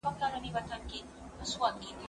زه مېوې نه وچوم!!